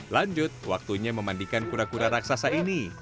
lanjut waktunya memandikan kura kura raksasa ini